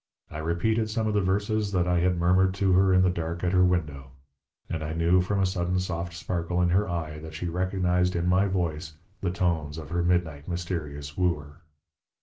I repeated some of the verses that I had murmured to her in the dark at her window; and I knew from a sudden soft sparkle in her eye that she recognized in my voice the tones of her midnight mysterious wooer.